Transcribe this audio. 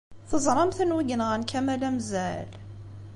Teẓṛamt anwa i yenɣan Kamel Amzal?